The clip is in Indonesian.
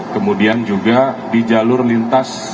kemudian juga di jalur lintas